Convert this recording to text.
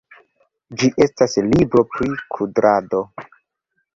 Ĝi estas libro pri kudrado.